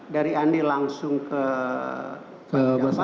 dari andi langsung ke pak jafar